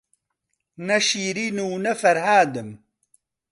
نە شیرین و نە فەرهادم